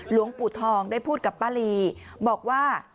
หลวงปู่ทองได้พูดกับป้าลีบอกว่า